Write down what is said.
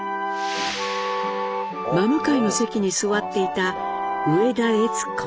真向かいの席に座っていた植田悦子。